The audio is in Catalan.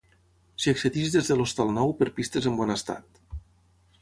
S'hi accedeix des de l'Hostal Nou per pistes en bon estat.